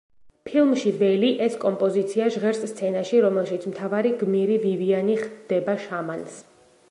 ფილმში „ველი“ ეს კომპოზიცია ჟღერს სცენაში, რომელშიც მთავარი გმირი ვივიანი ხვდება შამანს.